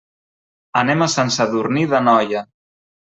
Anem a Sant Sadurní d'Anoia.